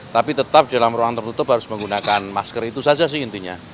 tapi tetap di dalam ruang tertutup harus menggunakan masker itu saja sih intinya